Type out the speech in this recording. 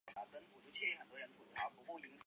曾就读日本播音演技研究所。